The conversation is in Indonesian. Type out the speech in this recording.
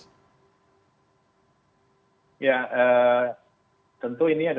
ya tentu ini adalah satu peristiwa yang banyak mendapat perhatian gitu kan karena